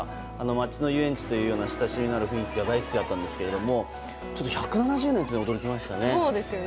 町の遊園地というような親しみのある雰囲気が大好きだったんですけど１７０年っていうのには驚きましたね。